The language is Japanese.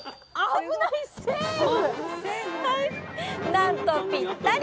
なんとぴったり！